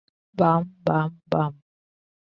বাম, বাম, বাম।